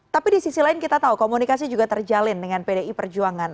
tapi di sisi lain kita tahu komunikasi juga terjalin dengan pdi perjuangan